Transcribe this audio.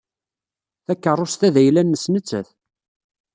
Takeṛṛust-a d ayla-nnes nettat.